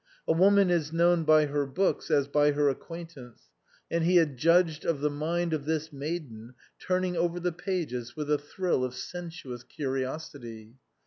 A woman is known by her books as by her acquaintance, and he had judged of the mind of this maiden, turning over the pages with a thrill of sensuous curiosity.